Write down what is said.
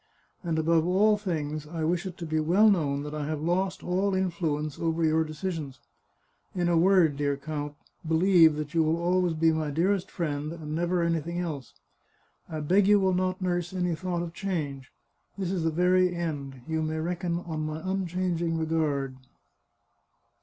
And above all things, I wish it to be well known that I have lost all influence over your de cisions. In a word, dear count, believe that you will always be my dearest friend, and never anything else. I beg you will not nurse any thought of change ; this is the very end. You may reckon on my unchanging regard."